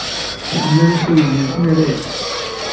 Semman-as i weydi-nsen Rex.